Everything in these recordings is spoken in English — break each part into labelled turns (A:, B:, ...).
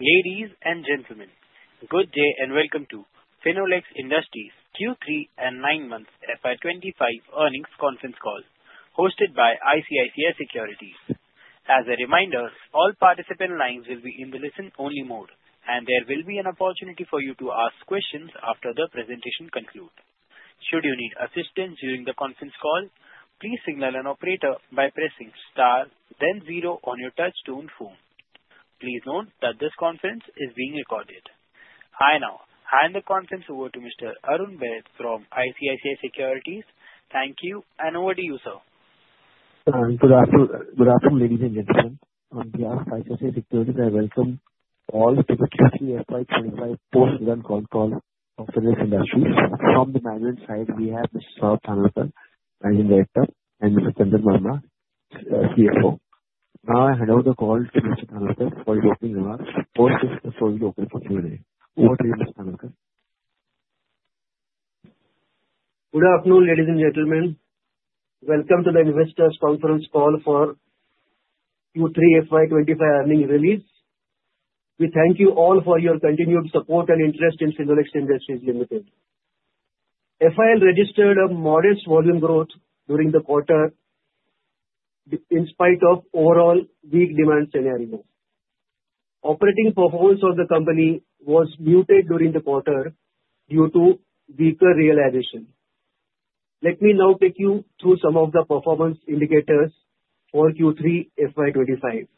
A: Ladies and gentlemen, good day and welcome to Finolex Industries Q3 and 9 Months FY25 Earnings Conference Call, hosted by ICICI Securities. As a reminder, all participant lines will be in the listen-only mode, and there will be an opportunity for you to ask questions after the presentation concludes. Should you need assistance during the conference call, please signal an operator by pressing star, then zero on your touch-tone phone. Please note that this conference is being recorded. I now hand the conference over to Mr. Arun Baid from ICICI Securities. Thank you, and over to you, sir.
B: Good afternoon, ladies and gentlemen. On behalf of ICICI Securities, I welcome all to the Q3 FY25 post-event call of Finolex Industries. From the management side, we have Mr. Saurabh Dhanorkar, Managing Director, and Mr. Chandan Verma, CFO. Now I hand over the call to Mr. Dhanorkar for his opening remarks post his closing opening for Q&A. Over to you, Mr. Dhanorkar.
C: Good afternoon, ladies and gentlemen. Welcome to the investors' conference call for Q3 FY25 earnings release. We thank you all for your continued support and interest in Finolex Industries Limited. FIL registered a modest volume growth during the quarter in spite of overall weak demand scenarios. Operating performance of the company was muted during the quarter due to weaker realization. Let me now take you through some of the performance indicators for Q3 FY25.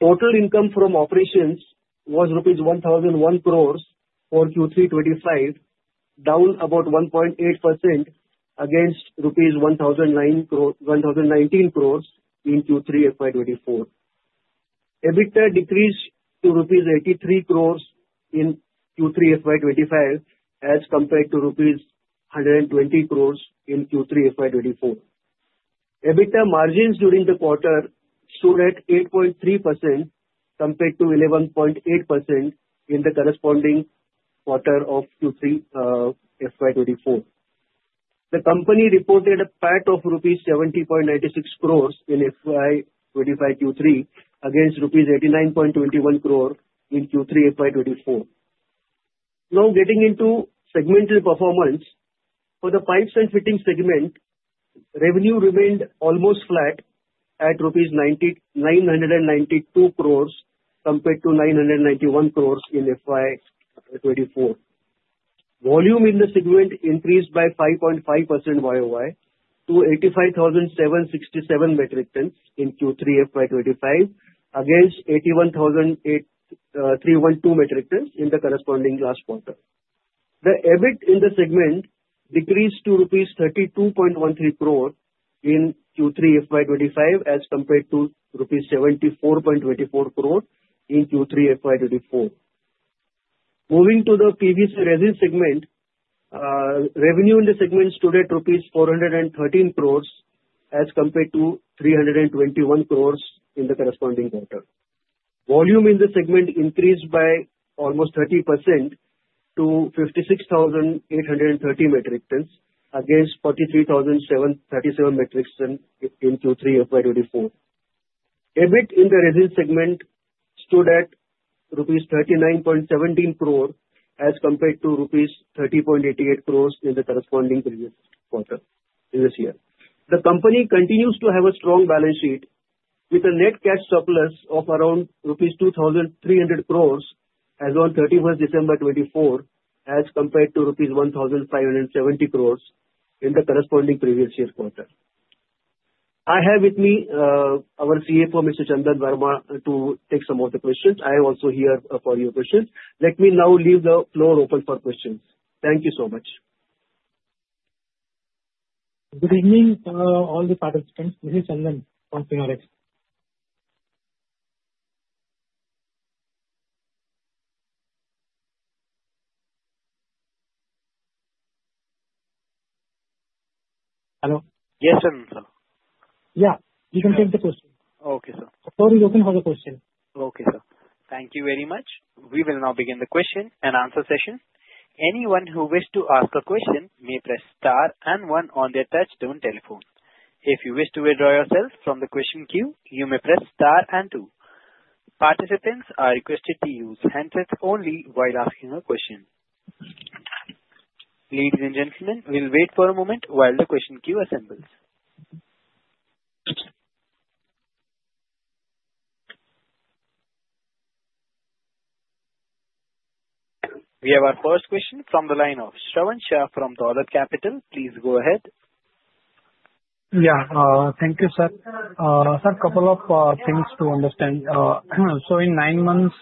C: Total income from operations was ₹1,001 crores for Q3 FY25, down about 1.8% against ₹1,019 crores in Q3 FY24. EBITDA decreased to ₹83 crores in Q3 FY25 as compared to ₹120 crores in Q3 FY24. EBITDA margins during the quarter stood at 8.3% compared to 11.8% in the corresponding quarter of Q3 FY24. The company reported a PAT of ₹70.96 crores in FY25 Q3 against ₹89.21 crores in Q3 FY24. Now getting into segmental performance, for the pipes and fittings segment, revenue remained almost flat at 992 crores rupees compared to 991 crores in FY24. Volume in the segment increased by 5.5% YOY to 85,767 metric tons in Q3 FY25 against 81,312 metric tons in the corresponding last quarter. The EBIT in the segment decreased to rupees 32.13 crores in Q3 FY25 as compared to rupees 74.24 crores in Q3 FY24. Moving to the PVC resin segment, revenue in the segment stood at rupees 413 crores as compared to 321 crores in the corresponding quarter. Volume in the segment increased by almost 30% to 56,830 metric tons against 43,037 metric tons in Q3 FY24. EBIT in the resin segment stood at rupees 39.17 crores as compared to rupees 30.88 crores in the corresponding previous quarter in this year. The company continues to have a strong balance sheet with a net cash surplus of around rupees 2,300 crores as of 31st December 2024 as compared to rupees 1,570 crores in the corresponding previous year quarter. I have with me our CFO, Mr. Chandan Verma, to take some of the questions. I am also here for your questions. Let me now leave the floor open for questions. Thank you so much.
D: Good evening, all the participants. This is Chandan from Finolex. Hello?
C: Yes, Chandan, sir.
D: Yeah, you can take the question.
C: Okay, sir.
D: The floor is open for the question.
A: Okay, sir. Thank you very much. We will now begin the question and answer session. Anyone who wishes to ask a question may press star and one on their touch-tone telephone. If you wish to withdraw yourself from the question queue, you may press star and two. Participants are requested to use handsets only while asking a question. Ladies and gentlemen, we'll wait for a moment while the question queue assembles. We have our first question from the line of Shravan Shah from Dolat Capital. Please go ahead.
E: Yeah, thank you, sir. Sir, a couple of things to understand. So in nine months,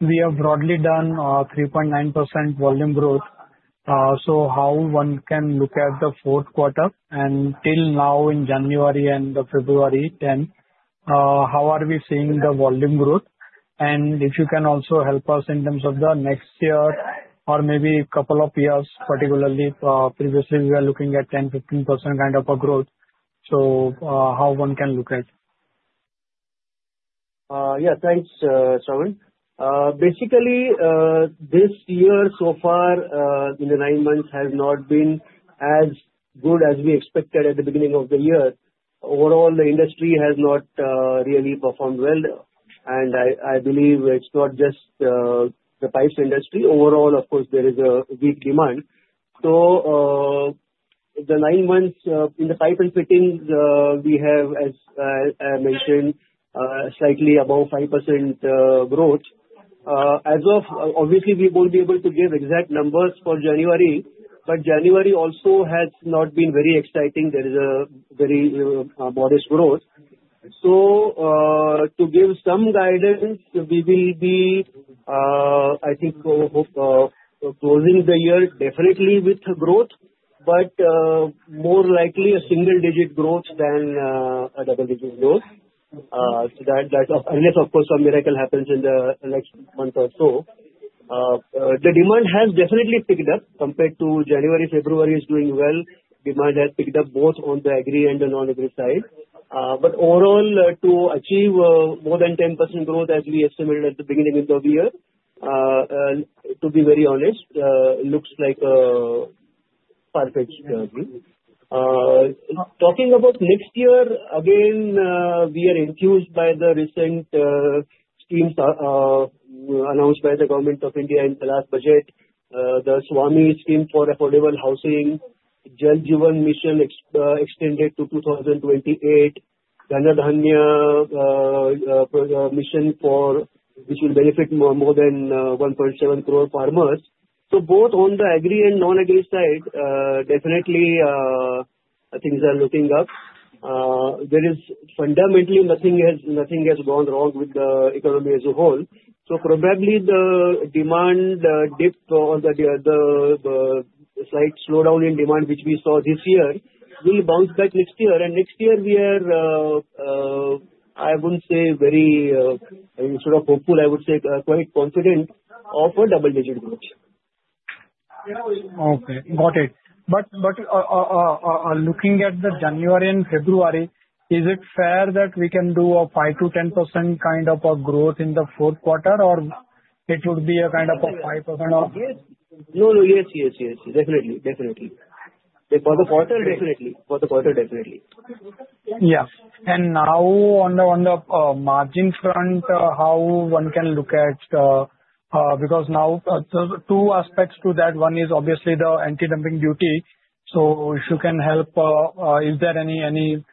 E: we have broadly done 3.9% volume growth. So how one can look at the fourth quarter and till now in January and February 10, how are we seeing the volume growth? And if you can also help us in terms of the next year or maybe a couple of years, particularly previously we were looking at 10%-15% kind of a growth. So how one can look at?
C: Yeah, thanks, Shravan. Basically, this year so far in the nine months has not been as good as we expected at the beginning of the year. Overall, the industry has not really performed well, and I believe it's not just the pipes industry. Overall, of course, there is a weak demand. So the nine months in the pipe and fittings, we have, as I mentioned, slightly above 5% growth. As of obviously, we won't be able to give exact numbers for January, but January also has not been very exciting. There is a very modest growth. So to give some guidance, we will be, I think, closing the year definitely with growth, but more likely a single-digit growth than a double-digit growth. Unless, of course, some miracle happens in the next month or so. The demand has definitely picked up compared to January. February is doing well. Demand has picked up both on the agri and the non-agri side. But overall, to achieve more than 10% growth as we estimated at the beginning of the year, to be very honest, looks like a perfect view. Talking about next year, again, we are enthused by the recent schemes announced by the Government of India in the last budget, the SWAMIH scheme for affordable housing, Jal Jeevan Mission extended to 2028, GandharanYoYa mission for which will benefit more than 1.7 crore farmers. So both on the agri and non-agri side, definitely things are looking up. There is fundamentally nothing has gone wrong with the economy as a whole. So probably the demand dip or the slight slowdown in demand which we saw this year will bounce back next year. Next year, we are. I wouldn't say very sort of hopeful. I would say quite confident of a double-digit growth.
E: Okay, got it. But looking at the January and February, is it fair that we can do a 5%-10% kind of a growth in the Q4, or it would be a kind of a 5%?
C: No, no, yes, yes, yes, yes. Definitely, definitely. For the quarter, definitely. For the quarter, definitely.
E: Yeah. And now on the margin front, how one can look at because now two aspects to that. One is obviously the anti-dumping duty. So if you can help, is there any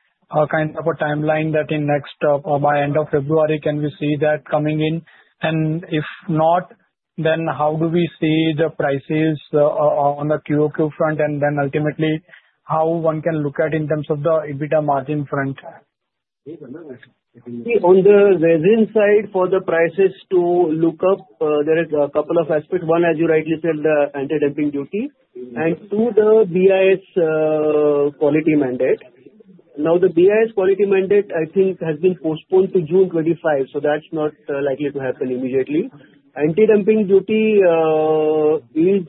E: kind of a timeline that in next by end of February, can we see that coming in? And if not, then how do we see the prices on the QOQ front? And then ultimately, how one can look at in terms of the EBITDA margin front?
C: On the resin side, for the prices to look up, there are a couple of aspects. One, as you rightly said, the anti-dumping duty. And two, the BIS quality mandate. Now, the BIS quality mandate, I think, has been postponed to June 25, so that's not likely to happen immediately. Anti-dumping duty is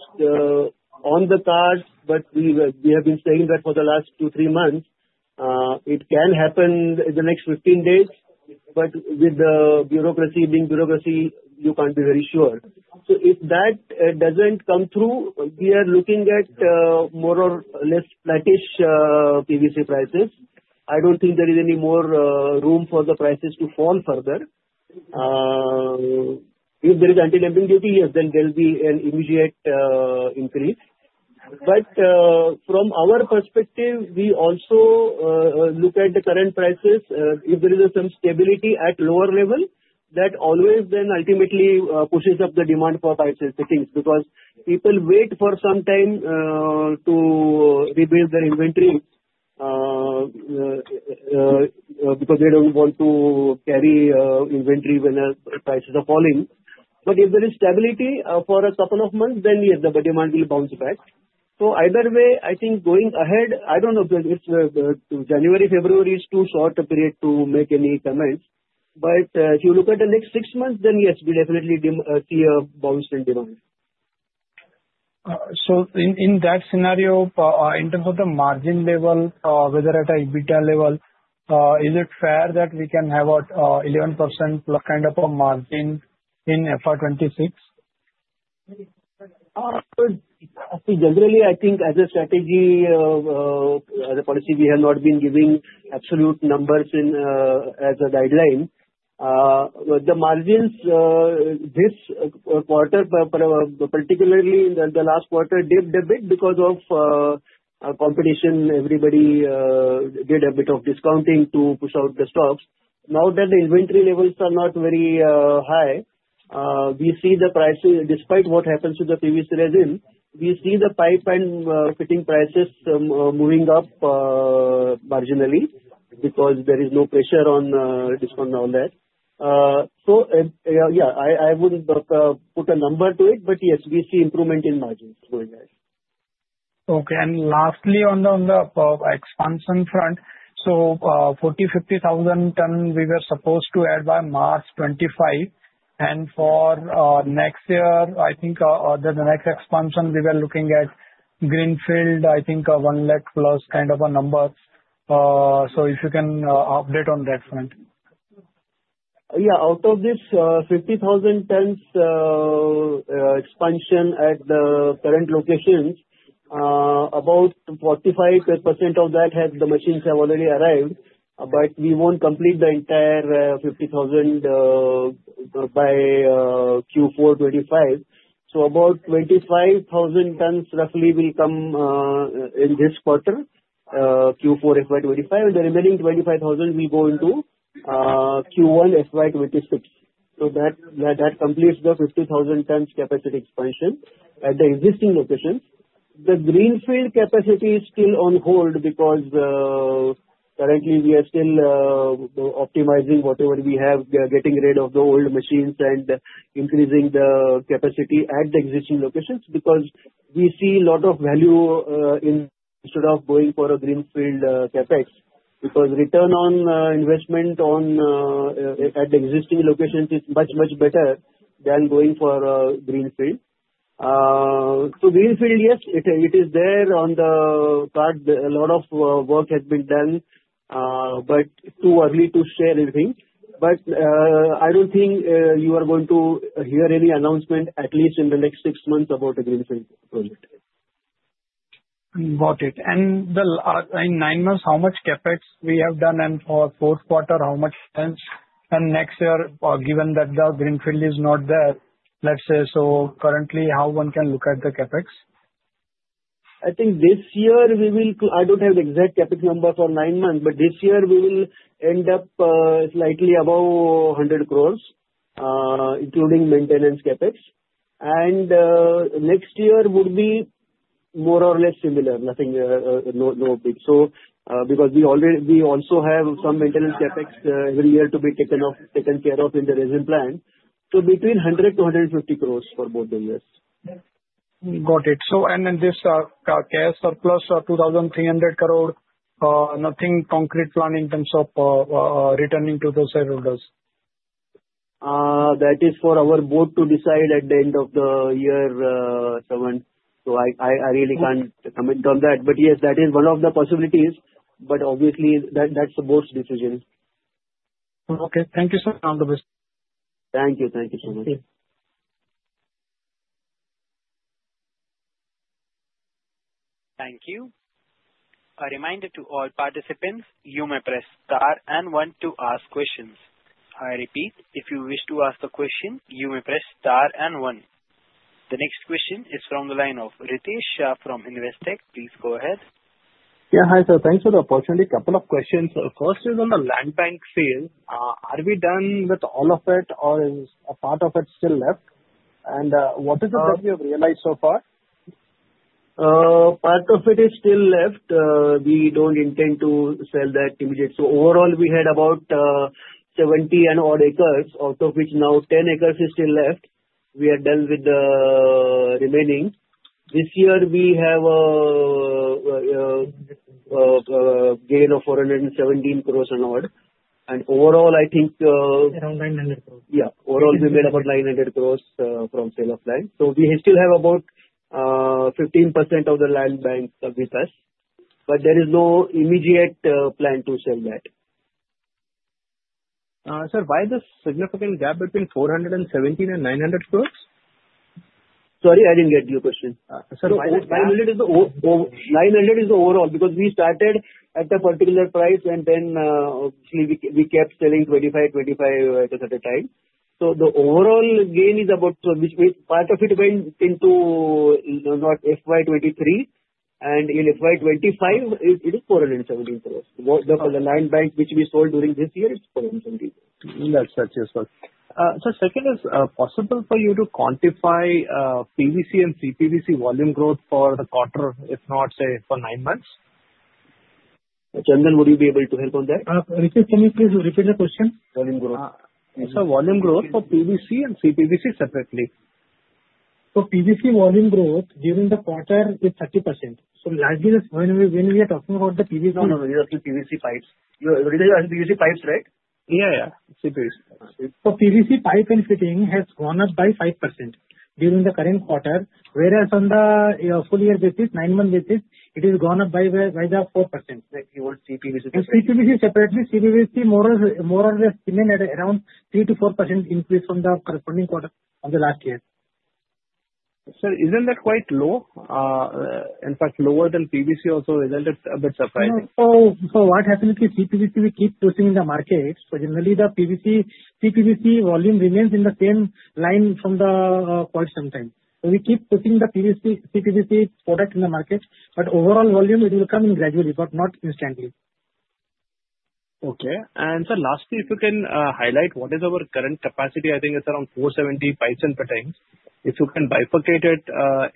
C: on the cards, but we have been saying that for the last two, three months, it can happen in the next 15 days, but with the bureaucracy being bureaucracy, you can't be very sure. So if that doesn't come through, we are looking at more or less flattish PVC prices. I don't think there is any more room for the prices to fall further. If there is anti-dumping duty, yes, then there will be an immediate increase. But from our perspective, we also look at the current prices. If there is some stability at lower level, that always then ultimately pushes up the demand for pipes and fittings because people wait for some time to rebuild their inventory because they don't want to carry inventory when prices are falling. But if there is stability for a couple of months, then yes, the demand will bounce back. So either way, I think going ahead, I don't know if January-February is too short a period to make any comments. But if you look at the next six months, then yes, we definitely see a bounce in demand.
E: So in that scenario, in terms of the margin level, whether at an EBITDA level, is it fair that we can have an 11% kind of a margin in FY26?
C: Generally, I think as a strategy, as a policy, we have not been giving absolute numbers as a guideline. The margins this quarter, particularly in the last quarter, dipped a bit because of competition. Everybody did a bit of discounting to push out the stocks. Now that the inventory levels are not very high, we see the prices, despite what happens to the PVC resin, we see the pipe and fitting prices moving up marginally because there is no pressure on discount and all that. So yeah, I wouldn't put a number to it, but yes, we see improvement in margins going ahead.
E: Okay. And lastly, on the expansion front, so 40,000 to 50,000 tons we were supposed to add by March 2025. And for next year, I think the next expansion, we were looking at greenfield, I think 1 lakh plus kind of a number. So if you can update on that front.
C: Yeah. Out of this 50,000 tons expansion at the current locations, about 45% of that has the machines have already arrived. But we won't complete the entire 50,000 by Q4 FY25. So about 25,000 tons roughly will come in this quarter, Q4 FY25. The remaining 25,000 will go into Q1 FY26. So that completes the 50,000 tons capacity expansion at the existing locations. The greenfield capacity is still on hold because currently we are still optimizing whatever we have, getting rid of the old machines and increasing the capacity at the existing locations because we see a lot of value instead of going for a greenfield Capex because return on investment at the existing locations is much, much better than going for a greenfield. So greenfield, yes, it is there on the cards. A lot of work has been done, but too early to share anything. But I don't think you are going to hear any announcement, at least in the next six months, about a greenfield project.
E: Got it. And in nine months, how much CapEx we have done? And for Q4, how much tons? And next year, given that the greenfield is not there, let's say, so currently, how one can look at the CapEx?
C: I think this year we will. I don't have the exact CapEx number for nine months, but this year we will end up slightly above 100 crore, including maintenance CapEx. Next year would be more or less similar, nothing no big. Because we also have some maintenance CapEx every year to be taken care of in the resin plant. Between 100-150 crore for both of this.
E: Got it. And then this cash surplus 2,300 crore, nothing concrete plan in terms of returning to those areas?
C: That is for our board to decide at the end of the year, Shravan. So I really can't comment on that. But yes, that is one of the possibilities. But obviously, that's the board's decision.
E: Okay. Thank you, sir. All the best.
C: Thank you. Thank you so much.
A: Thank you. A reminder to all participants, you may press star and one to ask questions. I repeat, if you wish to ask a question, you may press star and one. The next question is from the line of Ritesh Shah from Investec. Please go ahead.
F: Yeah, hi sir. Thanks for the opportunity. Couple of questions. First is on the land bank sale. Are we done with all of it, or is a part of it still left? And what is it that we have realized so far?
C: Part of it is still left. We don't intend to sell that immediately. So overall, we had about 70-odd acres, out of which now 10 acres is still left. We are done with the remaining. This year, we have a gain of 417 crore and odd. Overall, I think.
D: Around 900 crores.
C: Yeah. Overall, we made about 900 crores from sale of land. So we still have about 15% of the land bank with us. But there is no immediate plan to sell that.
G: Sir, why the significant gap between 417 crores and 900 crores?
C: Sorry, I didn't get your question.
F: Sir, why is it?
C: 900 is the overall because we started at a particular price, and then we kept selling 25, 25 acres at a time. So the overall gain is about part of it went into not FY23. And in FY25, it is 417 crores. The land bank which we sold during this year is 417 crores.
F: That's good. Sir, second is possible for you to quantify PVC and CPVC volume growth for the quarter, if not, say, for nine months?
C: Chandan would you be able to help on that?
D: Ritesh, can you please repeat the question?
F: Volume growth.
D: Sir, volume growth for PVC and CPVC separately? PVC volume growth during the quarter is 30%. When we are talking about the PVC.
E: No, no, no. You're talking PVC pipes. You're talking PVC pipes, right?
D: Yeah, yeah.
F: CPVC.
D: PVC pipe and fitting has gone up by 5% during the current quarter, whereas on the full-year basis, nine-month basis, it has gone up by the 4%.CPVC separately, CPVC more or less remained at around 3%-4% increase from the corresponding quarter of the last year.
F: Sir, isn't that quite low? In fact, lower than PVC also resulted a bit surprising.
D: So what happens is CPVC, we keep pushing in the market. So generally, the PVC CPVC volume remains in the same line from the quarter sometimes. So we keep pushing the CPVC product in the market. But overall volume, it will come in gradually, but not instantly.
F: Okay. And sir, lastly, if you can highlight what is our current capacity, I think it's around 470 pipes and fittings. If you can bifurcate it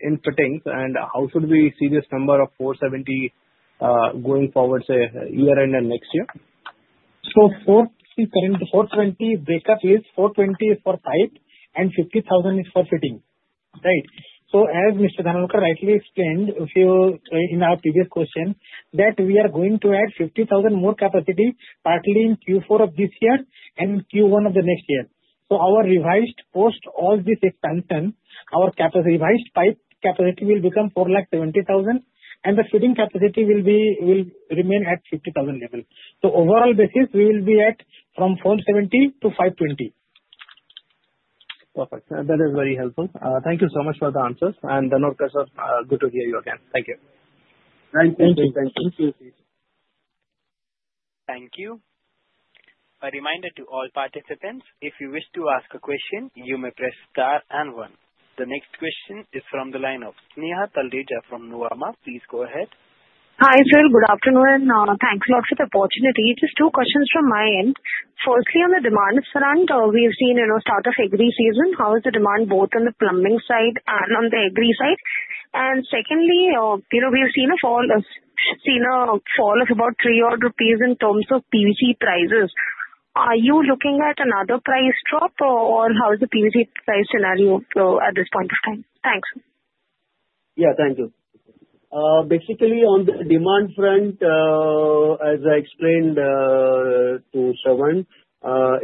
F: in fittings, and how should we see this number of 470 going forward, say, year-end and next year?
D: So 420 breakup is 420 for pipe, and 50,000 is for fitting. Right? So as Mr. Dhanorkar rightly explained in our previous question, that we are going to add 50,000 more capacity, partly in Q4 of this year and in Q1 of the next year. So our revised post all this expansion, our revised pipe capacity will become 470,000, and the fitting capacity will remain at 50,000 level. So overall basis, we will be at from 470 to 520.
F: Perfect. That is very helpful. Thank you so much for the answers. And Dhanorkar sir, good to hear you again. Thank you.
C: Thank you.
D: Thank you.
C: Thank you.
A: Thank you. A reminder to all participants, if you wish to ask a question, you may press star and one. The next question is from the line of Sneha Talreja from Nuvama. Please go ahead.
E: Hi, sir. Good afternoon. Thanks a lot for the opportunity. Just two questions from my end. Firstly, on the demand front, we have seen a start of agri season. How is the demand both on the plumbing side and on the agri side? And secondly, we have seen a fall of about three odd INR in terms of PVC prices. Are you looking at another price drop, or how is the PVC price scenario at this point of time? Thanks.
C: Yeah, thank you. Basically, on the demand front, as I explained to Shravan,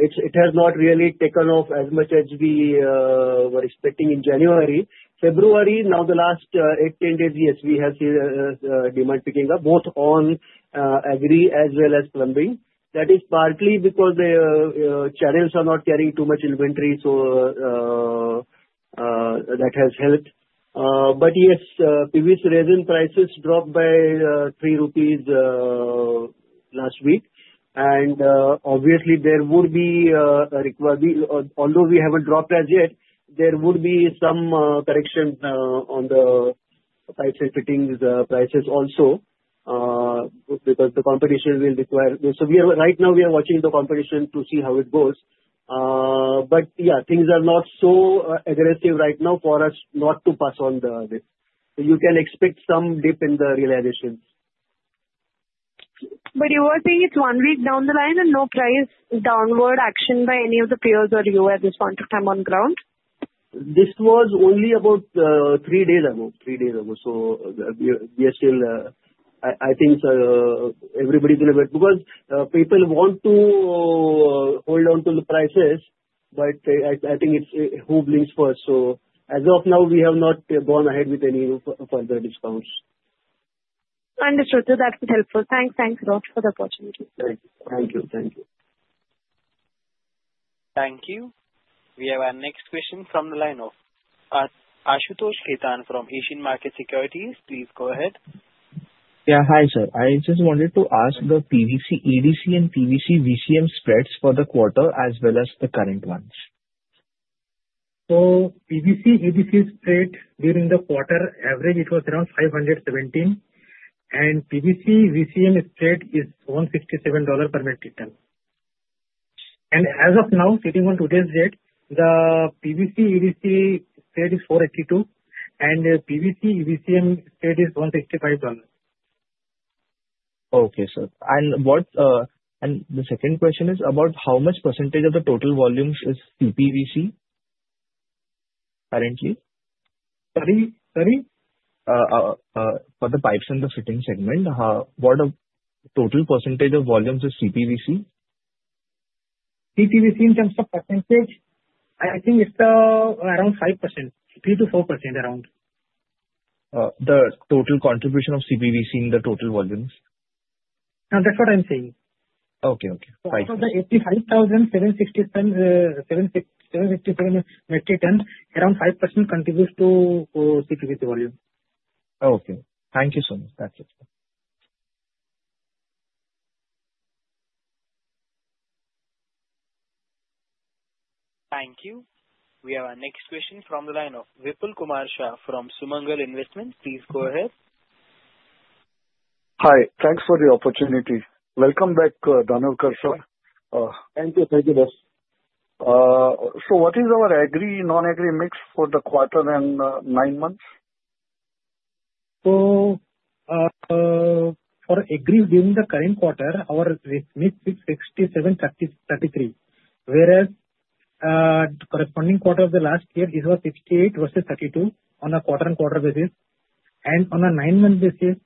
C: it has not really taken off as much as we were expecting in January. February, now the last eight, 10 days, yes, we have seen demand picking up both on agri as well as plumbing. That is partly because the channels are not carrying too much inventory, so that has helped, but yes, PVC resin prices dropped by 3 rupees last week, and obviously, there would be a requirement, although we haven't dropped as yet, there would be some correction on the pipes and fittings prices also because the competition will require, so right now, we are watching the competition to see how it goes. But yeah, things are not so aggressive right now for us not to pass on the dip, so you can expect some dip in the realization.
H: But you were saying it's one week down the line and no price downward action by any of the players or you at this point of time on ground?
C: This was only about three days ago, three days ago. So I think everybody's in a bit because people want to hold on to the prices, but I think it's hovering first. So as of now, we have not gone ahead with any further discounts.
H: Understood, so that's helpful. Thanks. Thanks a lot for the opportunity.
C: Thank you. Thank you.
A: Thank you. We have our next question from the line of Ashutosh Khetan from Asian Market Securities. Please go ahead.
I: Yeah, hi sir. I just wanted to ask the PVC-EDC and PVC-VCM spreads for the quarter as well as the current ones?
C: PVC EDC spread during the quarter average, it was around 517. PVC VCM spread is $167 per metric ton. As of now, sitting on today's date, the PVC EDC spread is 482, and PVC VCM spread is $165.
I: Okay, sir. The second question is about how much % of the total volumes is CPVC currently?
C: Sorry?
I: For the pipes and the fitting segment, what total percentage of volumes is CPVC?
C: CPVC in terms of percentage, I think it's around 5%, 3%-4% around.
I: The total contribution of CPVC in the total volumes?
C: That's what I'm saying.
I: Okay. Okay.
C: The 85,767 metric ton, around 5% contributes to CPVC volume.
I: Okay. Thank you so much. That's it.
A: Thank you. We have our next question from the line of Vipul Kumar Shah from Sumangal Investments. Please go ahead.
J: Hi. Thanks for the opportunity. Welcome back, Dhanorkar sir.
C: Thank you. Thank you, sir.
K: So what is our agri non-agri mix for the quarter and nine months?
C: So for Agri during the current quarter, our mix is 67, 33. Whereas corresponding quarter of the last year, it was 68 versus 32 on a quarter-on-quarter basis. And on a nine-month basis,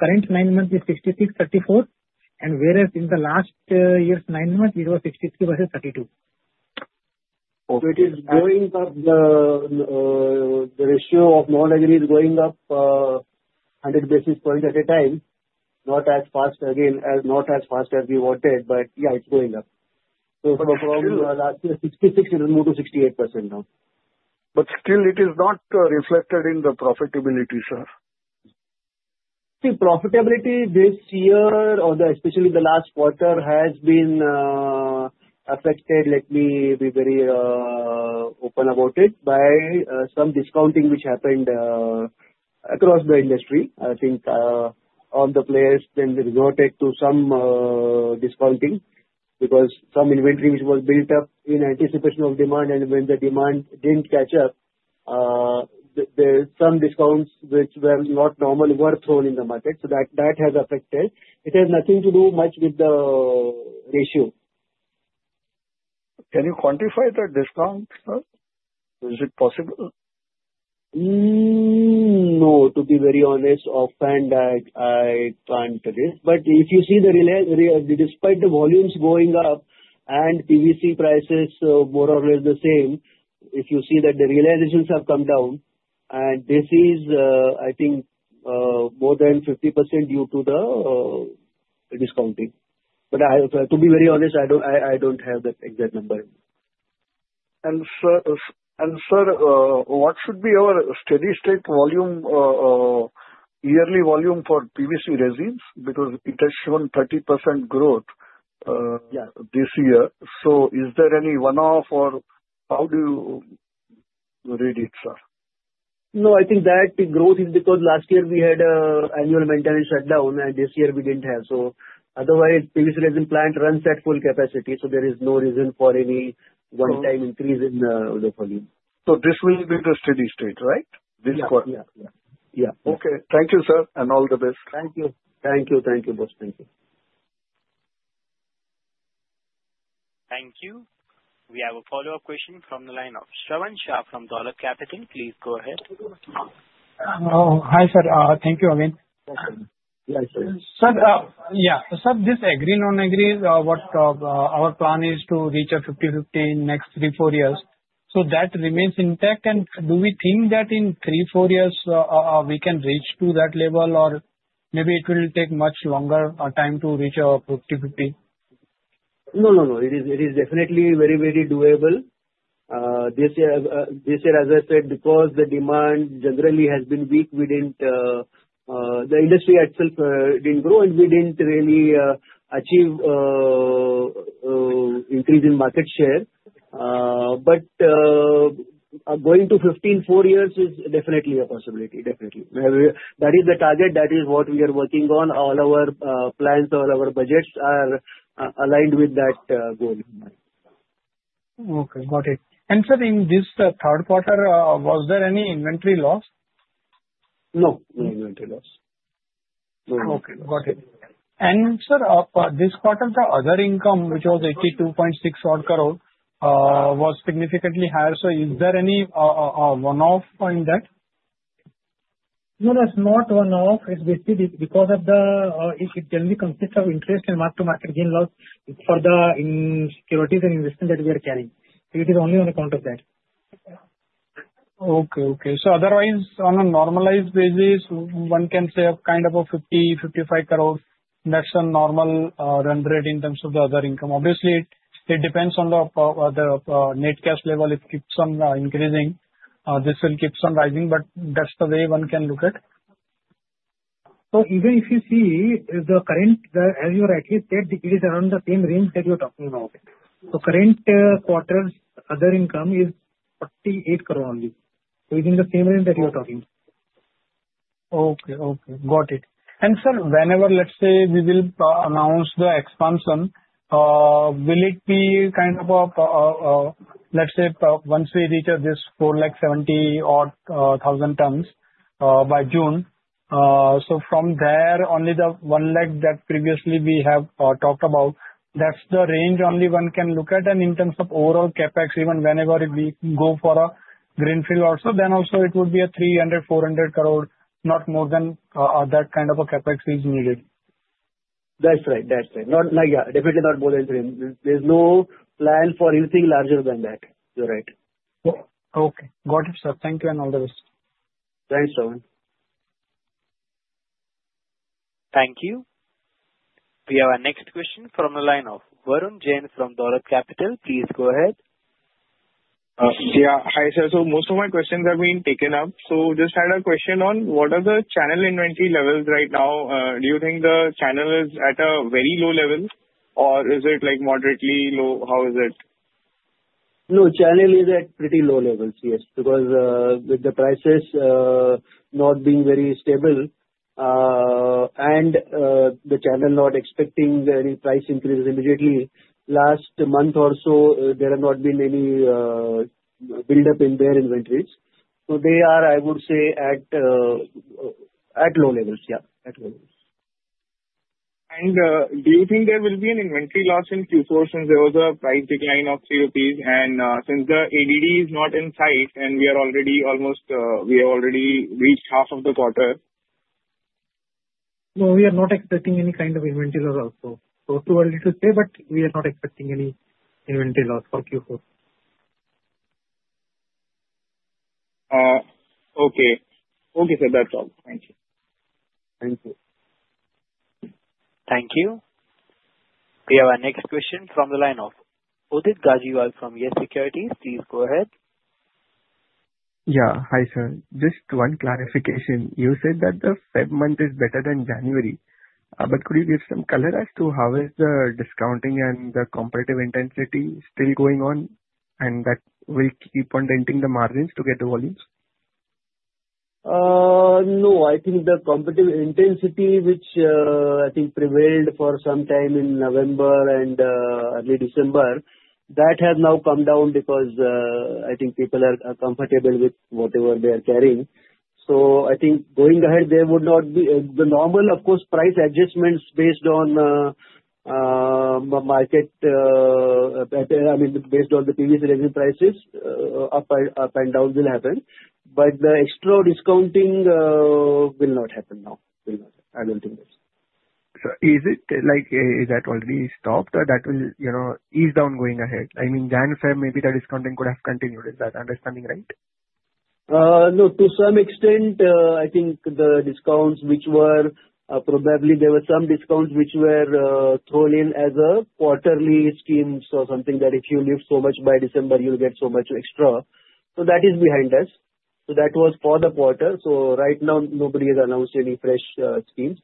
C: current nine months is 66, 34. And whereas in the last year's nine months, it was 63 versus 32.
K: So it is going up. The ratio of non-agri is going up 100 basis points at a time, not as fast again, not as fast as we wanted. But yeah, it's going up. So from last year, 66%, it has moved to 68% now. But still, it is not reflected in the profitability, sir.
C: See, profitability this year, especially the last quarter, has been affected, let me be very open about it, by some discounting which happened across the industry. I think all the players then resorted to some discounting because some inventory which was built up in anticipation of demand. And when the demand didn't catch up, some discounts which were not normal were thrown in the market. So that has affected. It has nothing to do much with the ratio.
K: Can you quantify that discount, sir? Is it possible?
C: No, to be very honest, offhand, I can't do this. But if you see that despite the volumes going up and PVC prices more or less the same, if you see that the realizations have come down, and this is, I think, more than 50% due to the discounting. But to be very honest, I don't have that exact number.
K: Sir, what should be our steady-state volume, yearly volume for PVC resins? Because it has shown 30% growth this year. Is there any one-off, or how do you read it, sir?
C: No, I think that the growth is because last year we had annual maintenance shutdown, and this year we didn't have. So otherwise, PVC resin plant runs at full capacity. So there is no reason for any one-time increase in the volume.
K: So this will be the steady state, right?
C: Yeah. Yeah. Yeah.
K: Okay. Thank you, sir. And all the best.
C: Thank you. Thank you. Thank you, boss. Thank you.
A: Thank you. We have a follow-up question from the line of Shravan Shah from Dolat Capital. Please go ahead.
E: Hi, sir. Thank you again.
C: Yes, sir.
E: Sir, yeah. Sir, this agri non-agri, our plan is to reach a 50-50 in next three, four years. So that remains intact. And do we think that in three, four years, we can reach to that level, or maybe it will take much longer time to reach a 50-50?
C: No, no, no. It is definitely very, very doable. This year, as I said, because the demand generally has been weak, the industry itself didn't grow, and we didn't really achieve increase in market share. But going to 15, four years is definitely a possibility. Definitely. That is the target. That is what we are working on. All our plans, all our budgets are aligned with that goal.
E: Okay. Got it. And sir, in this Q3, was there any inventory loss? No. No inventory loss. Okay. Got it. And sir, this quarter, the other income, which was 82.6-odd crore, was significantly higher. So is there any one-off in that?
C: No, there's no one-off. It's basically because it generally consists of interest and mark-to-market gain loss for the securities and investment that we are carrying. It is only on account of that.
E: Okay. So otherwise, on a normalized basis, one can say kind of a 50-55 crore, that's a normal run rate in terms of the other income. Obviously, it depends on the net cash level. It keeps on increasing. This will keep on rising, but that's the way one can look at.
C: So even if you see the current, as you rightly said, it is around the same range that you're talking about. So current quarter's other income is 48 crore only. So it's in the same range that you're talking.
E: Okay. Okay. Got it. And sir, whenever, let's say, we will announce the expansion, will it be kind of a, let's say, once we reach this 470-odd thousand tons by June? So from there, only the 1 lakh that previously we have talked about, that's the range only one can look at. And in terms of overall CapEx, even whenever we go for a greenfield also, then also it would be a 300-400 crore, not more than that kind of a CapEx is needed.
C: That's right. That's right. Definitely not more than 300. There's no plan for anything larger than that. You're right.
E: Okay. Got it, sir. Thank you and all the best.
C: Thanks, Shravan.
A: Thank you. We have our next question from the line of Varun Jain from Dolat Capital. Please go ahead.
L: Yeah. Hi, sir. So most of my questions have been taken up. So just had a question on what are the channel inventory levels right now. Do you think the channel is at a very low level, or is it moderately low? How is it?
C: No, channel is at pretty low levels, yes, because with the prices not being very stable and the channel not expecting any price increases immediately, last month or so, there have not been any build-up in their inventories. So they are, I would say, at low levels. Yeah, at low levels.
L: Do you think there will be an inventory loss in Q4 since there was a price decline of 3 rupees? Since the ADD is not in sight and we have already reached half of the quarter.
C: No, we are not expecting any kind of inventory loss also, so too early to say, but we are not expecting any inventory loss for Q4.
L: Okay. Okay, sir. That's all. Thank you.
C: Thank you.
A: Thank you. We have our next question from the line of Udit Gajiwala from YES Securities. Please go ahead.
G: Yeah. Hi, sir. Just one clarification. You said that the February month is better than January. But could you give some color as to how is the discounting and the competitive intensity still going on, and that will keep on denting the margins to get the volumes?
C: No. I think the competitive intensity, which I think prevailed for some time in November and early December, that has now come down because I think people are comfortable with whatever they are carrying. So I think going ahead, there would not be the normal, of course, price adjustments based on the market, I mean, based on the previous resin prices, up and down will happen. But the extra discounting will not happen now. I don't think so.
G: So is it like is that already stopped, or that will ease down going ahead? I mean, then February, maybe the discounting could have continued. Is that understanding right?
C: No. To some extent, I think the discounts which were probably there were some discounts which were thrown in as a quarterly scheme or something that if you leave so much by December, you'll get so much extra. So that is behind us. So that was for the quarter. So right now, nobody has announced any fresh schemes.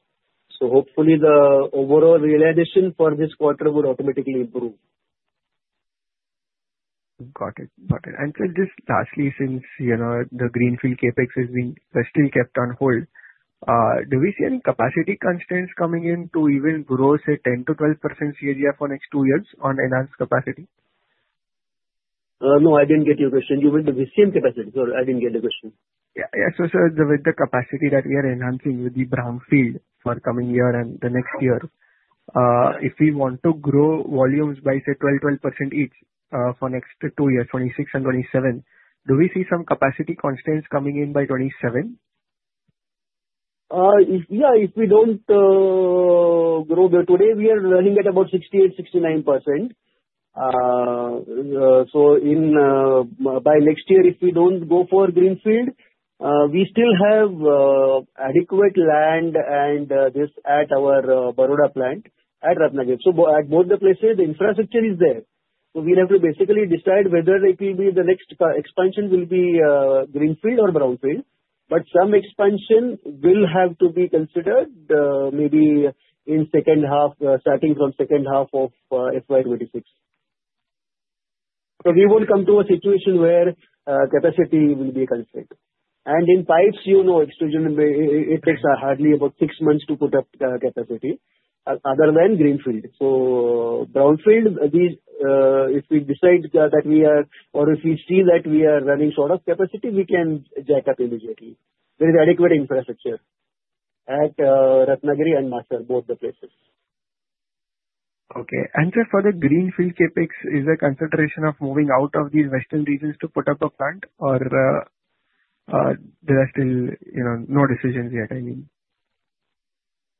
C: So hopefully, the overall realization for this quarter would automatically improve.
G: Got it. Got it. And sir, just lastly, since the greenfield CapEx has been still kept on hold, do we see any capacity constraints coming in to even grow, say, 10%-12% CAGR for next two years on enhanced capacity?
C: No, I didn't get your question. You meant the VCM capacity? Sorry, I didn't get the question.
G: Yeah. Yeah. So sir, with the capacity that we are enhancing with the brownfield for coming year and the next year, if we want to grow volumes by, say, 12, 12% each for next two years, 26 and 27, do we see some capacity constraints coming in by 27?
C: Yeah. If we don't grow today, we are running at about 68%-69%. So by next year, if we don't go for greenfield, we still have adequate land and this at our Baroda plant at Ratnagiri. So at both the places, the infrastructure is there. So we'll have to basically decide whether it will be the next expansion will be greenfield or brownfield. But some expansion will have to be considered maybe in second half, starting from second half of FY26. So we won't come to a situation where capacity will be constrained. And in pipes, you know extrusion, it takes hardly about six months to put up capacity other than greenfield. So brownfield, if we decide that we are or if we see that we are running short of capacity, we can jack up immediately. There is adequate infrastructure at Ratnagiri and Masar, both the places.
G: Okay. And sir, for the greenfield Capex, is there consideration of moving out of these western regions to put up a plant, or there are still no decisions yet, I mean?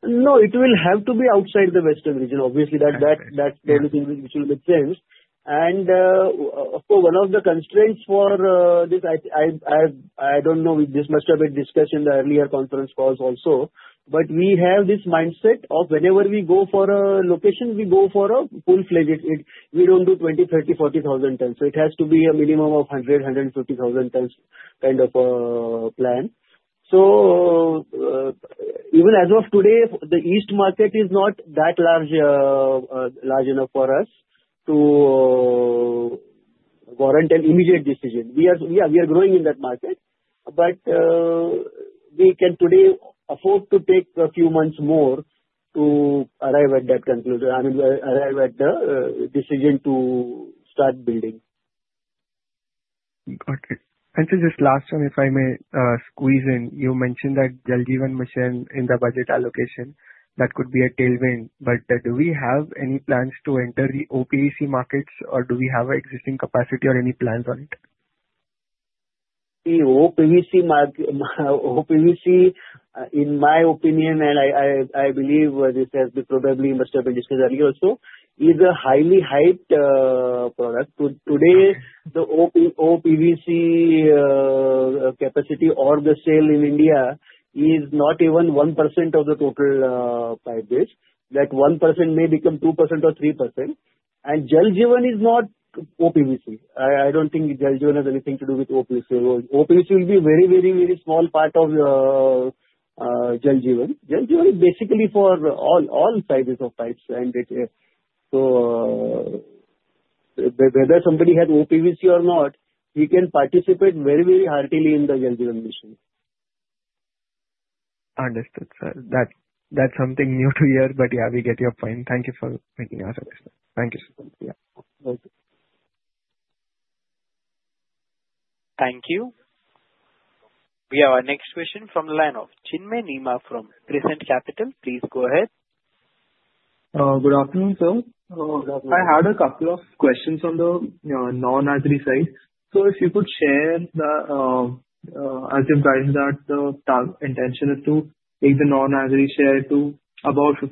C: No, it will have to be outside the western region. Obviously, that's the only thing which will be changed, and for one of the constraints for this, I don't know. This must have been discussed in the earlier conference calls also, but we have this mindset of whenever we go for a location, we go for a full-fledged. We don't do 20, 30, 40 thousand tons, so it has to be a minimum of 100, 150 thousand tons kind of a plan, so even as of today, the east market is not that large enough for us to warrant an immediate decision. Yeah, we are growing in that market, but we can today afford to take a few months more to arrive at that conclusion, I mean, arrive at the decision to start building.
G: Got it. And sir, just last one, if I may squeeze in, you mentioned that Jal Jeevan Mission in the budget allocation, that could be a tailwind. But do we have any plans to enter the OPVC markets, or do we have existing capacity or any plans on it?
C: The OPVC, in my opinion, and I believe this has probably must have been discussed earlier also, is a highly hyped product. Today, the OPVC capacity or the sale in India is not even 1% of the total pipes. That 1% may become 2% or 3%. And Jal Jeevan Mission is not OPVC. I don't think Jal Jeevan Mission has anything to do with OPVC. OPVC will be a very, very, very small part of Jal Jeevan Mission. Jal Jeevan Mission is basically for all sizes of pipes. And so whether somebody has OPVC or not, he can participate very, very heartily in the Jal Jeevan Mission.
G: Understood, sir. That's something new to hear, but yeah, we get your point. Thank you for making us understand. Thank you, sir. Yeah.
C: Thank you.
A: Thank you. We have our next question from the line of Chinmay Nema from Prescient Capital. Please go ahead.
M: Good afternoon, sir. I had a couple of questions on the non-agri side. So if you could share the, as you guys that the intention is to take the non-agri share to about 50%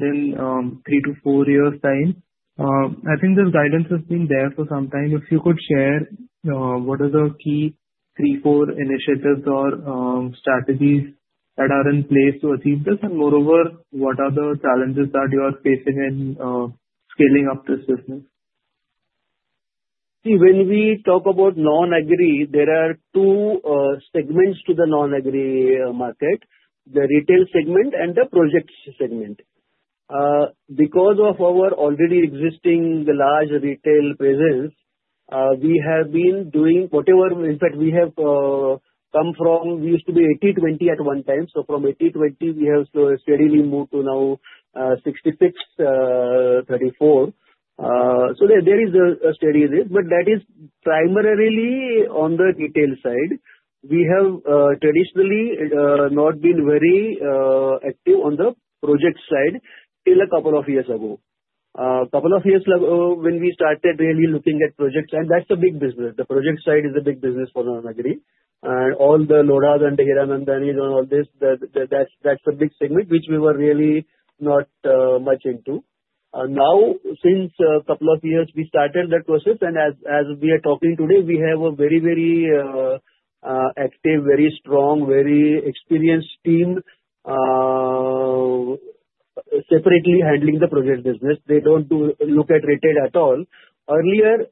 M: in three to four years' time. I think this guidance has been there for some time. If you could share what are the key three, four initiatives or strategies that are in place to achieve this, and moreover, what are the challenges that you are facing in scaling up this business?
C: See, when we talk about non-agri, there are two segments to the non-agri market: the retail segment and the project segment. Because of our already existing large retail presence, we have been doing whatever. In fact, we have come from we used to be 80-20 at one time. So from 80-20, we have slowly steadily moved to now 66-34. So there is a steady risk, but that is primarily on the retail side. We have traditionally not been very active on the project side till a couple of years ago. A couple of years ago when we started really looking at project side, that's a big business. The project side is a big business for non-agri, and all the Lodha and Misspelled builder name (possibly 'Hiranandani' or 'Raheja') Uncertain and -Misspelled builder name (possibly 'Damac', 'Dosti', or 'Runwal' and all this, that's a big segment which we were really not much into. Now, since a couple of years, we started that process, and as we are talking today, we have a very, very active, very strong, very experienced team separately handling the project business. They don't look at retail at all. Earlier,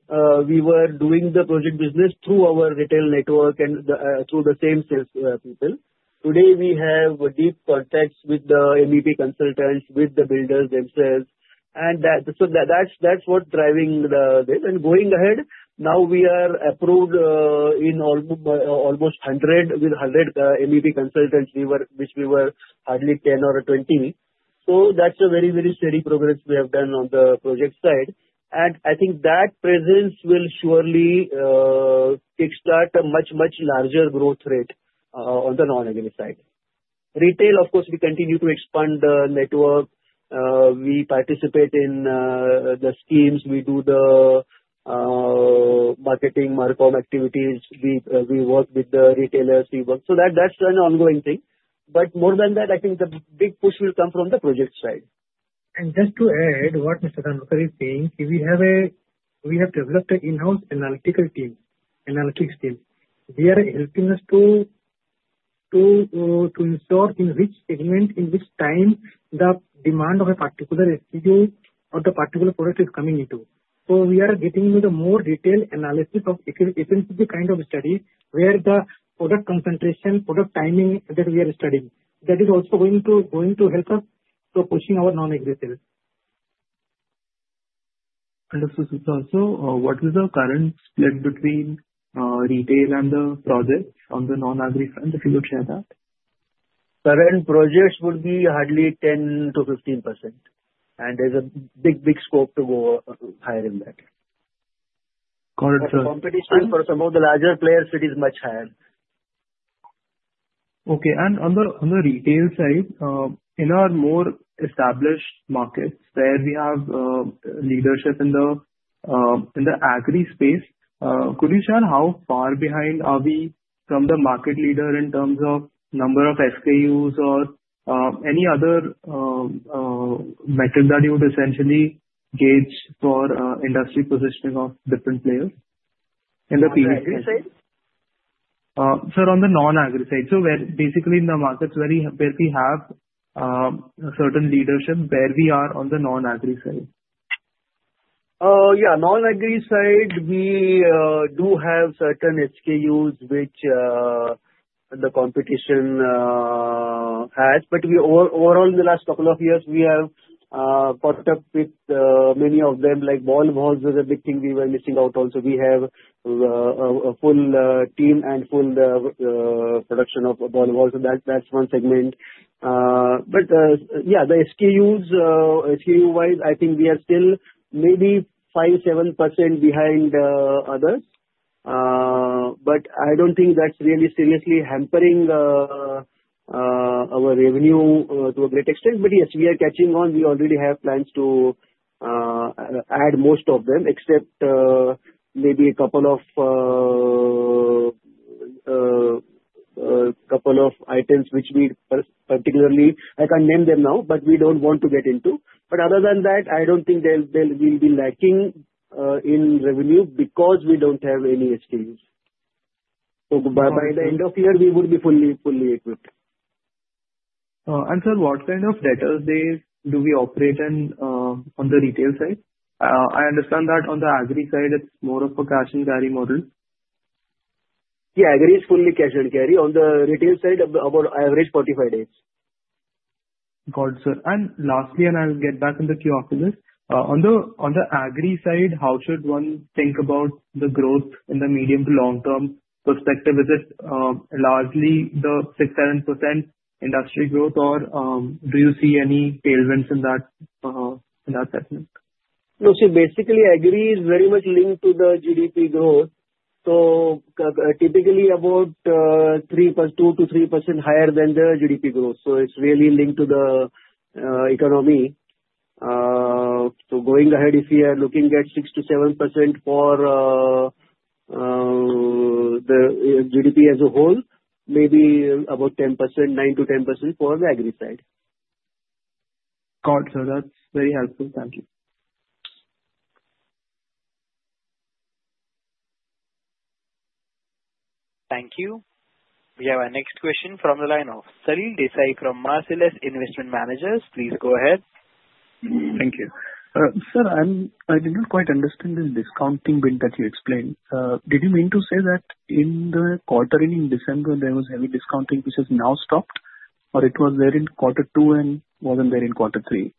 C: we were doing the project business through our retail network and through the same salespeople. Today, we have deep contacts with the MEP consultants, with the builders themselves. And so that's what's driving this. And going ahead, now we are approved in almost 100 MEP consultants, which we were hardly 10 or 20. So that's a very, very steady progress we have done on the project side. And I think that presence will surely kickstart a much, much larger growth rate on the non-agri side. Retail, of course, we continue to expand the network. We participate in the schemes. We do the marketing marcom activities. We work with the retailers. So that's an ongoing thing. But more than that, I think the big push will come from the project side. And just to add what Mr. Dhanorkar is saying, we have developed an in-house analytics team. We are helping us to ensure in which segment, in which time the demand of a particular SKU or the particular product is coming into. So we are getting into the more detailed analysis of efficiency kind of study where the product concentration, product timing that we are studying, that is also going to help us to pushing our non-agri sales.
M: Understood. Also, what is the current split between retail and the projects on the non-agri front? If you could share that.
C: Current projects would be hardly 10%-15%, and there's a big, big scope to go higher in that.
M: Got it, sir.
C: Competition for some of the larger players, it is much higher.
M: Okay, and on the retail side, in our more established markets where we have leadership in the agri space, could you share how far behind are we from the market leader in terms of number of SKUs or any other metric that you would essentially gauge for industry positioning of different players in the PVC? On the Agri side? Sir, on the non-agri side. So basically in the markets where we have a certain leadership, where we are on the non-agri side?
C: Yeah. Non-agri side, we do have certain SKUs which the competition has. But overall, in the last couple of years, we have caught up with many of them. Like ball valves is a big thing we were missing out also. We have a full team and full production of ball valves. That's one segment. But yeah, the SKUs, SKU-wise, I think we are still maybe 5%-7% behind others. But I don't think that's really seriously hampering our revenue to a great extent. But yes, we are catching on. We already have plans to add most of them, except maybe a couple of items which we particularly I can't name them now, but we don't want to get into. But other than that, I don't think we'll be lacking in revenue because we don't have any SKUs. So by the end of year, we would be fully equipped.
M: Sir, what kind of credit days do we operate on the retail side? I understand that on the agri side, it's more of a cash and carry model.
C: Yeah. Agri is fully cash and carry. On the retail side, about average 45 days.
M: Got it, sir. And lastly, and I'll get back on the queue after this, on the agri side, how should one think about the growth in the medium to long-term perspective? Is it largely the 6%-7% industry growth, or do you see any tailwinds in that segment?
C: No, see, basically agri is very much linked to the GDP growth. So typically about 2-3% higher than the GDP growth. So it's really linked to the economy. So going ahead, if you are looking at 6-7% for the GDP as a whole, maybe about 9-10% for the agri side.
M: Got it, sir. That's very helpful. Thank you.
A: Thank you. We have our next question from the line of Salil Desai from Marcellus Investment Managers. Please go ahead.
N: Thank you. Sir, I did not quite understand this discounting wind that you explained. Did you mean to say that in the quarter in December, there was heavy discounting, which has now stopped, or it was there in quarter two and wasn't there in Q3?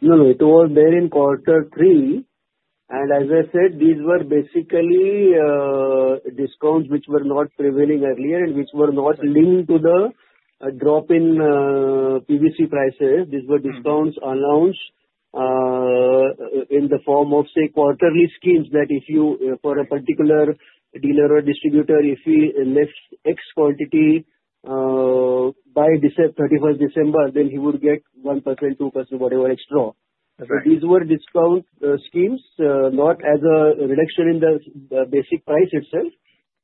C: No, no. It was there in Q3. And as I said, these were basically discounts which were not prevailing earlier and which were not linked to the drop in PVC prices. These were discounts announced in the form of, say, quarterly schemes that if you for a particular dealer or distributor, if he lifts X quantity by 31st December, then he would get 1%, 2%, whatever extra. So these were discount schemes, not as a reduction in the basic price itself,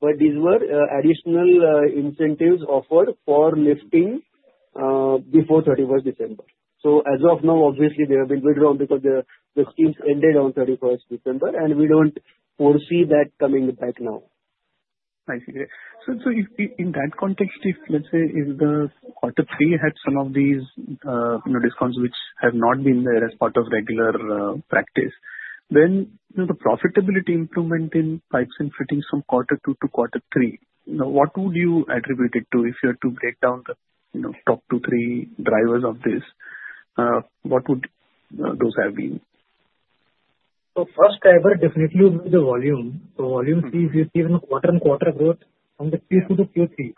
C: but these were additional incentives offered for lifting before 31st December. So as of now, obviously, they have been withdrawn because the schemes ended on 31st December, and we don't foresee that coming back now.
N: Thank you. So in that context, let's say in the quarter three, you had some of these discounts which have not been there as part of regular practice. Then the profitability improvement in pipes and fittings from Q2 to Q3, what would you attribute it to if you had to break down the top two or three drivers of this? What would those have been?
C: First driver definitely would be the volume. Volume see, if you see even quarter and quarter growth from the Q2 to Q3,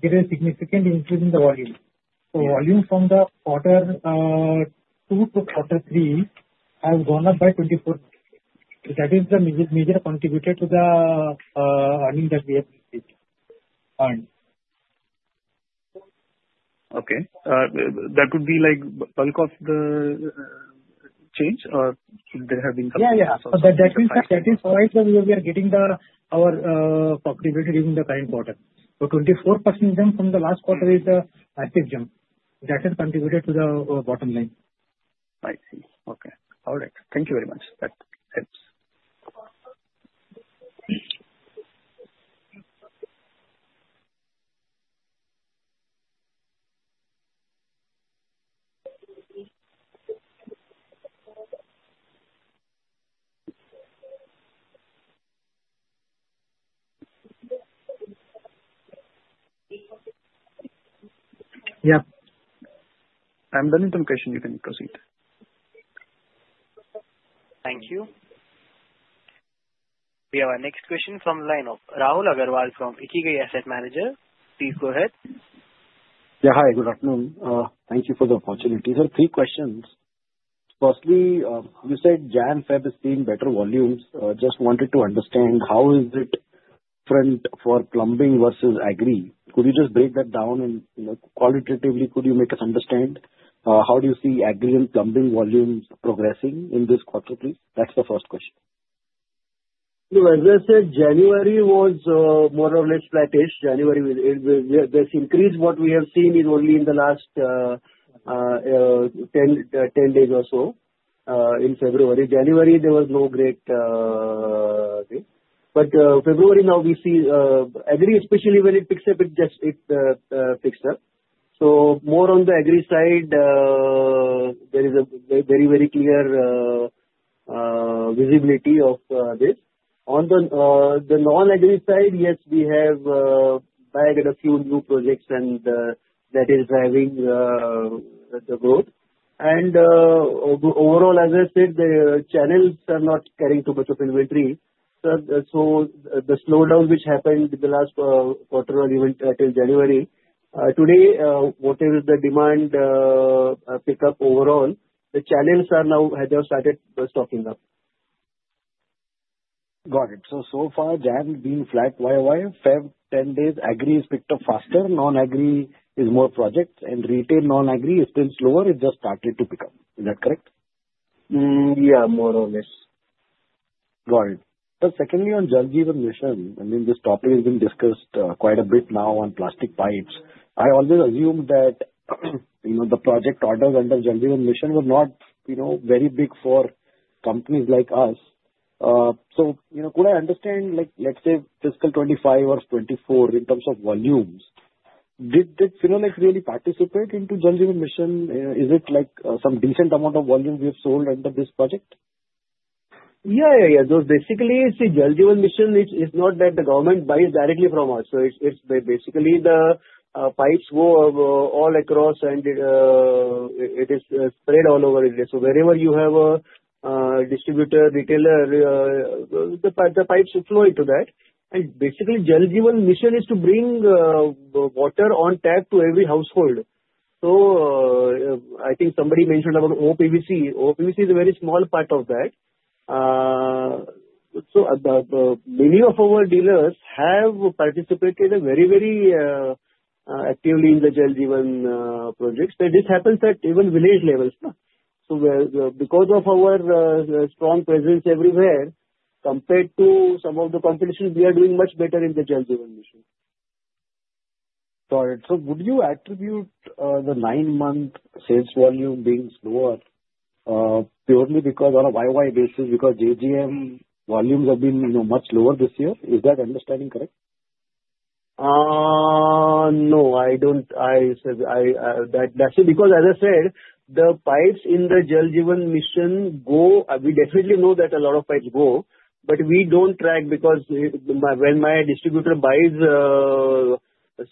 C: there is a significant increase in the volume. Volume from the quarter two to quarter three has gone up by 24%. That is the major contributor to the earnings that we have received.
N: Okay. That would be like bulk of the change, or there have been some?
C: Yeah, yeah. That is why we are getting our profitability during the current quarter. So 24% jump from the last quarter is a massive jump. That has contributed to the bottom line.
N: I see. Okay. All right. Thank you very much. That helps. Yeah. I'm done with some questions. You can proceed.
A: Thank you. We have our next question from the line of Rahul Agarwal from Ikigai Asset Managers. Please go ahead.
B: Yeah. Hi. Good afternoon. Thank you for the opportunity. Sir, three questions. Firstly, you said January February has seen better volumes. Just wanted to understand how is it different for plumbing versus agri? Could you just break that down, and qualitatively, could you make us understand how do you see agri and plumbing volumes progressing in this quarter, please? That's the first question.
C: As I said, January was more or less flat-ish. January, there's increase. What we have seen is only in the last 10 days or so in February. January, there was no great thing. But February now, we see agri, especially when it picks up, it picks up. So more on the agri side, there is a very, very clear visibility of this. On the non-agri side, yes, we have bagged a few new projects, and that is driving the growth. And overall, as I said, the channels are not carrying too much of inventory. So the slowdown which happened in the last quarter until January. Today, whatever the demand pickup overall, the channels are now they have started stocking up.
O: Got it. So, so far, January being flat YOY, first 10 days, agri is picked up faster, non-agri is more projects, and retail non-agri is still slower. It just started to pick up. Is that correct?
C: Yeah, more or less.
O: Got it. Secondly, on Jal Jeevan Mission, I mean, this topic has been discussed quite a bit now on plastic pipes. I always assumed that the project orders under Jal Jeevan Mission were not very big for companies like us. So could I understand, let's say, fiscal 25 or 24 in terms of volumes, did Finolex really participate into Jal Jeevan Mission? Is it like some decent amount of volume we have sold under this project?
C: Yeah, yeah, yeah. So basically, see, Jal Jeevan Mission is not that the government buys directly from us. So basically, the pipes go all across, and it is spread all over. So wherever you have a distributor, retailer, the pipes flow into that. And basically, Jal Jeevan Mission is to bring water on tap to every household. So I think somebody mentioned about OPVC. OPVC is a very small part of that. So many of our dealers have participated very, very actively in the Jal Jeevan projects. And this happens at even village levels. So because of our strong presence everywhere, compared to some of the competition, we are doing much better in the Jal Jeevan Mission.
O: Got it. So would you attribute the nine-month sales volume being slower purely because on a YoY basis because JGM volumes have been much lower this year? Is that understanding correct?
C: No, I don't. That's because, as I said, the pipes in the Jal Jeevan Mission go. We definitely know that a lot of pipes go, but we don't track because when my distributor buys,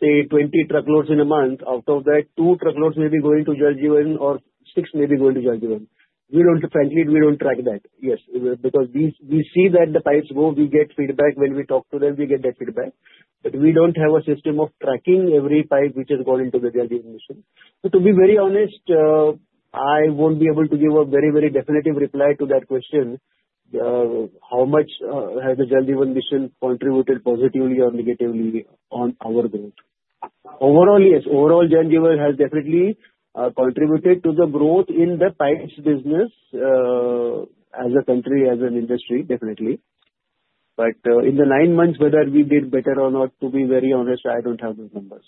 C: say, 20 truckloads in a month, out of that, two truckloads may be going to Jal Jeevan or six may be going to Jal Jeevan. Frankly, we don't track that. Yes. Because we see that the pipes go. We get feedback. When we talk to them, we get that feedback. But we don't have a system of tracking every pipe which has gone into the Jal Jeevan Mission. So to be very honest, I won't be able to give a very, very definitive reply to that question, how much has the Jal Jeevan Mission contributed positively or negatively on our growth. Overall, yes. Overall, Jal Jeevan has definitely contributed to the growth in the pipes business as a country, as an industry, definitely. But in the nine months, whether we did better or not, to be very honest, I don't have those numbers.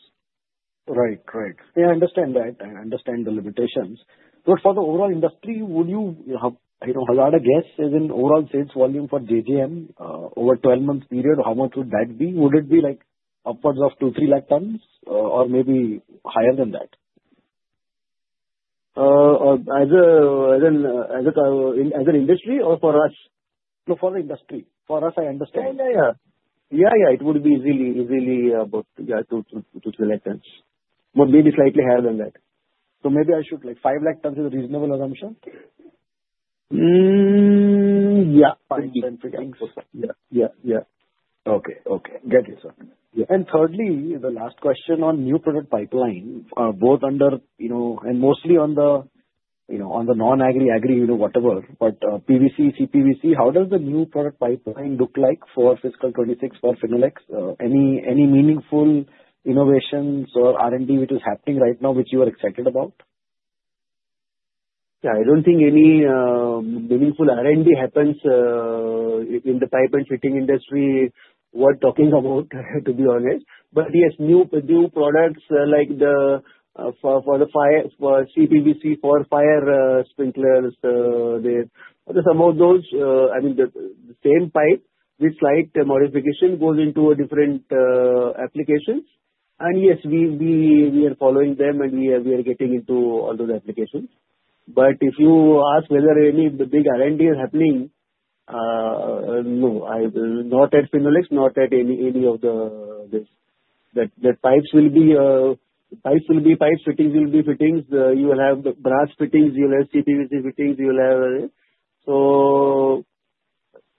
O: Right, right. Yeah, I understand that.I understand the limitations. But for the overall industry, would you have a guess as in overall sales volume for JGM over 12-month period, how much would that be? Would it be upwards of two, three lakh tons or maybe higher than that?
C: As an industry or for us?
O: No, for the industry. For us, I understand. Yeah, yeah, yeah. Yeah, yeah. It would be easily about 2-3 lakh tons. But maybe slightly higher than that. So maybe I should like 5 lakh tons is a reasonable assumption?
C: Yeah.
O: Pipes and fittings?
C: Yeah, yeah, yeah.
O: Okay, okay. Got it, sir. And thirdly, the last question on new product pipeline, both under and mostly on the non-agri, agri, whatever, but PVC, CPVC, how does the new product pipeline look like for fiscal 26 for Finolex? Any meaningful innovations or R&D which is happening right now which you are excited about?
C: Yeah. I don't think any meaningful R&D happens in the pipe and fitting industry. What talking about, to be honest. But yes, new products like the for the fire CPVC for fire sprinklers, there's some of those. I mean, the same pipe with slight modification goes into different applications. And yes, we are following them, and we are getting into all those applications. But if you ask whether any big R&D is happening, no. Not at Finolex, not at any of this. That pipes will be pipes, will be pipes, fittings will be fittings. You will have brass fittings. You will have CPVC fittings. You will have so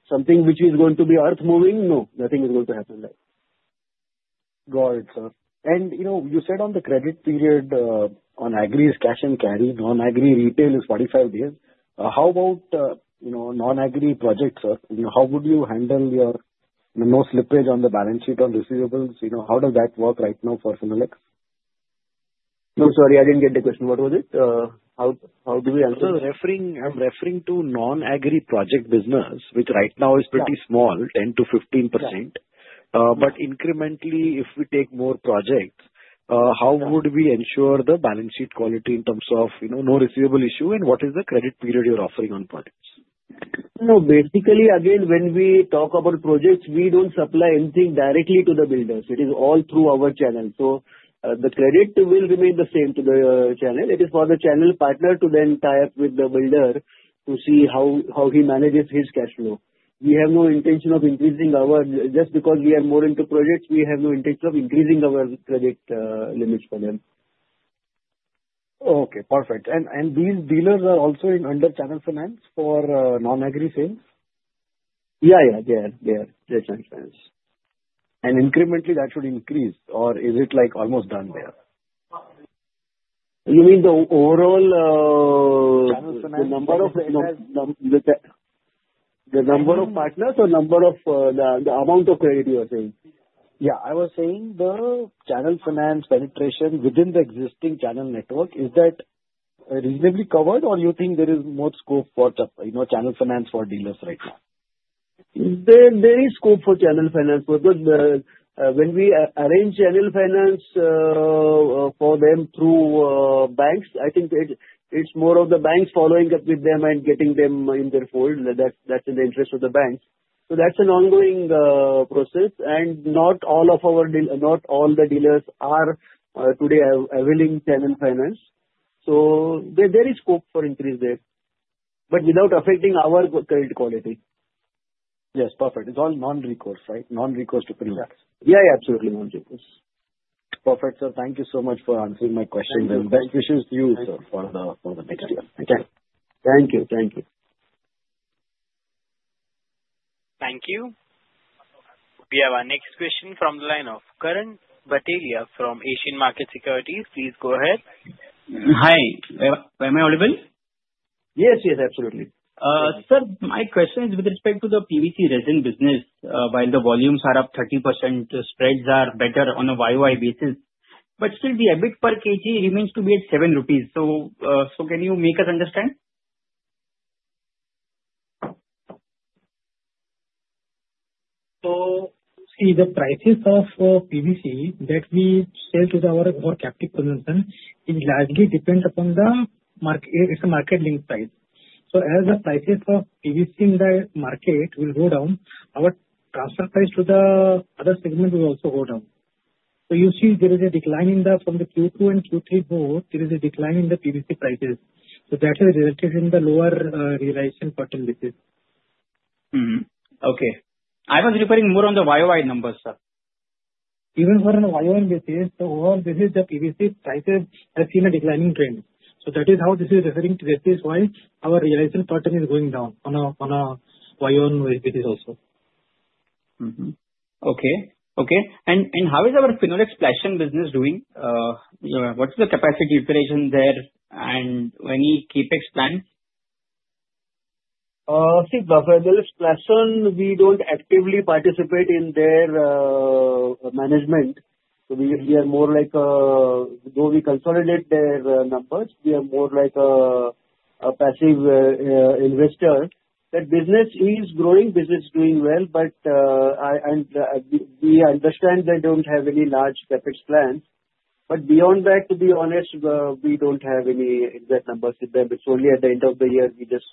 C: something which is going to be earth moving, no. Nothing is going to happen like that.
O: Got it, sir. And you said on the credit period, on agri is cash and carry, non-agri retail is 45 days. How about non-agri projects, sir? How would you handle your no slippage on the balance sheet on receivables? How does that work right now for Finolex?
C: No, sorry. I didn't get the question. What was it?
O: How do we answer?
P: I'm referring to non-agri project business, which right now is pretty small, 10%-15%. But incrementally, if we take more projects, how would we ensure the balance sheet quality in terms of no receivable issue? And what is the credit period you're offering on projects?
C: No, basically, again, when we talk about projects, we don't supply anything directly to the builders. It is all through our channel. So the credit will remain the same to the channel. It is for the channel partner to then tie up with the builder to see how he manages his cash flow. We have no intention of increasing our credit just because we are more into projects, we have no intention of increasing our credit limits for them.
O: Okay. Perfect. And these dealers are also under channel finance for non-agri sales?
C: Yeah, yeah, they are. They are channel finance.
O: Incrementally, that should increase, or is it almost done there?
C: You mean the overall number of partners or number of the amount of credit you are saying?
O: Yeah. I was saying the channel finance penetration within the existing channel network, is that reasonably covered, or you think there is more scope for channel finance for dealers right now?
C: There is scope for channel finance. When we arrange channel finance for them through banks, I think it's more of the banks following up with them and getting them in their fold. That's in the interest of the banks. So that's an ongoing process. And not all of our dealers are today availing channel finance. So there is scope for increase there, but without affecting our credit quality.
O: Yes. Perfect. It's all non-recourse, right? Non-recourse to Finolex.
C: Yeah, yeah, absolutely. Non-recourse.
O: Perfect, sir. Thank you so much for answering my questions. Best wishes to you, sir, for the next year. Thank you.
C: Thank you. Thank you.
L: Thank you. We have our next question from the line of Karan Bhatelia from Asian Markets Securities. Please go ahead.
Q: Hi. Am I audible?
C: Yes, yes, absolutely.
Q: Sir, my question is with respect to the PVC resin business, while the volumes are up 30%, spreads are better on a YoY basis, but still the EBIT per kg remains to be at 7 rupees. So can you make us understand?
C: So, see, the prices of PVC that we sell to our own captive consumption largely depend upon the market. It's a market linked price. So as the prices of PVC in the market will go down, our transfer price to the other segment will also go down. So you see there is a decline in the PVC prices from Q2 to Q3. So that has resulted in the lower realization per ton basis.
Q: Okay. I was referring more on the YOY numbers, sir.
C: Even for the YOY basis, the overall basis, the PVC prices have seen a declining trend. So that is how this is referring to that is why our realization per ton is going down on a YOY basis also.
Q: Okay, okay. And how is our Finolex Plasson business doing? What's the capacity operation there and any CapEx plans?
C: See, the Finolex Plasson we don't actively participate in their management. So we are more like though we consolidate their numbers, we are more like a passive investor. That business is growing, business is doing well, but we understand they don't have any large CapEx plans. But beyond that, to be honest, we don't have any exact numbers with them. It's only at the end of the year we just,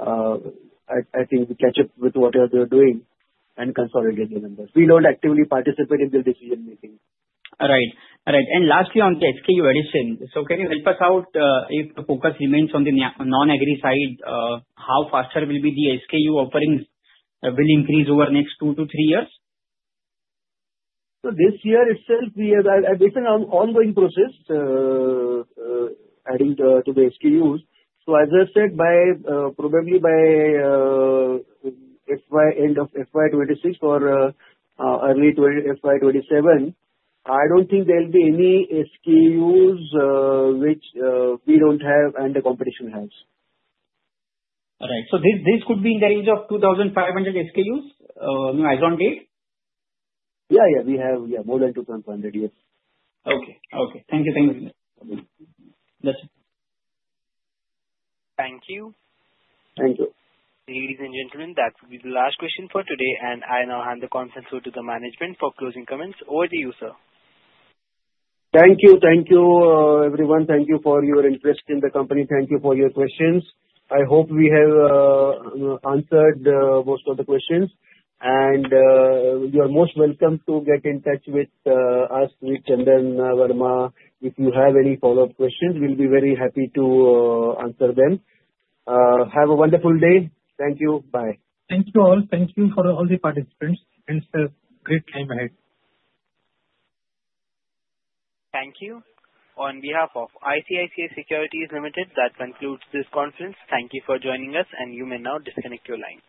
C: I think, we catch up with whatever they're doing and consolidate the numbers. We don't actively participate in their decision-making.
Q: Right, right. And lastly, on the SKU addition, so can you help us out if the focus remains on the non-agri side, how faster will be the SKU offerings will increase over next two to three years?
H: So this year itself, we have. It's an ongoing process, adding to the SKUs. So as I said, probably by FY26 or early FY27, I don't think there'll be any SKUs which we don't have and the competition has.
Q: Right. So this could be in the range of 2,500 SKUs as on date?
C: Yeah, yeah. We have, yeah, more than 2,500, yes.
Q: Okay, okay. Thank you. Thank you.
A: Thank you.
C: Thank you.
A: Ladies and gentlemen, that would be the last question for today, and I now hand the conference over to the management for closing comments. Over to you, sir.
C: Thank you. Thank you, everyone. Thank you for your interest in the company. Thank you for your questions. I hope we have answered most of the questions. You are most welcome to get in touch with us, with Chandan Verma. If you have any follow-up questions, we'll be very happy to answer them. Have a wonderful day. Thank you. Bye. Thank you all. Thank you for all the participants. Have a great time ahead.
B: Thank you. On behalf of ICICI Securities Limited, that concludes this conference. Thank you for joining us, and you may now disconnect your line.